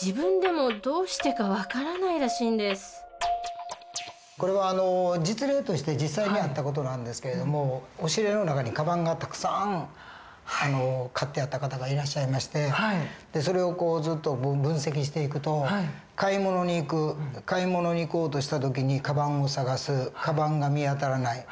自分でもどうしてか分からないらしいんですこれは実例として実際にあった事なんですけれども押し入れの中にカバンがたくさん買ってあった方がいらっしゃいましてそれをずっと分析していくと買い物に行く買い物に行こうとした時にカバンを捜すカバンが見当たらない。